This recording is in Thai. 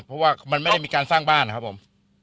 เพราะว่ามันไม่ได้มีการสร้างบ้านนะครับผม